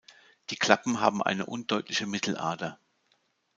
Die Klappen haben eine undeutliche Mittelader.